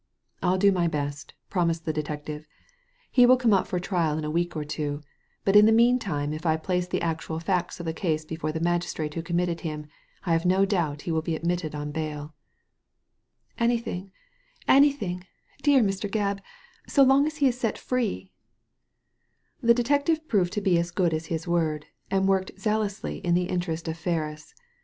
*' "I'll do my best," promised the detective. "He Digitized by Google WHAT MRS PRESK FOUND 183 will come up for trial in a week or two, but in the mean time if I place the actual facts of the case before the magistrate who committed him, I have no doubt he will be admitted on bail/' "Anything — anything, dear Mr, Gebb, so long as he is set free 1 '* The detective proved to be as good as his word, and worked zealously in the interest of Ferris.